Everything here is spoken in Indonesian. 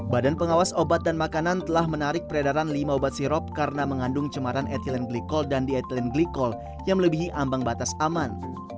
badan pengawas obat dan makanan telah menarik peredaran lima obat sirop karena mengandung cemaran etilen glikol dan diethleen glikol yang melebihi ambang batas aman